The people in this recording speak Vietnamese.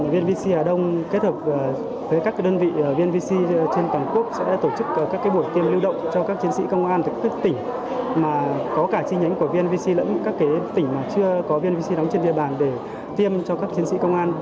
vnvc đóng trên địa bàn để tiêm cho các chiến sĩ công an